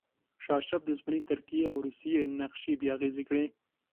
شاه اشرف د عثماني ترکیې او روسیې نقشې بې اغیزې کړې.